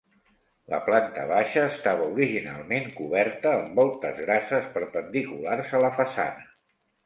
La planta baixa estava originalment coberta amb voltes grasses perpendiculars a la façana.